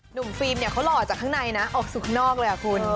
หนุ่มฟิล์มเนี่ยเขาหล่อจากข้างในนะออกสุขนอกเลยอะคุณ